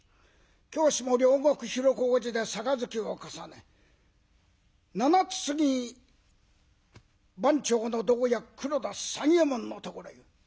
今日しも両国広小路で杯を重ね七つ過ぎ番町の同役黒田三右衛門のところへ。